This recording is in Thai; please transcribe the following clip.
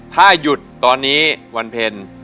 ถ้าหยุดตอนนี้วันเพ็ญ